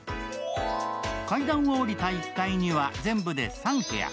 階段を降りた１階には全部で３部屋。